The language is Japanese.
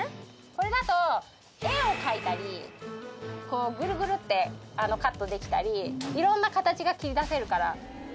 これだと円を描いたりぐるぐるってカットできたり色んな形が切り出せるから。